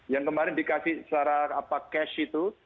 yang kemarin dikasih secara cash itu